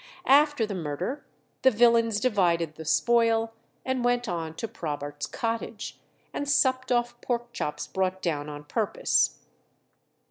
After the murder the villains divided the spoil, and went on to Probert's cottage, and supped off pork chops brought down on purpose.